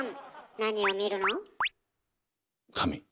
何を見るの？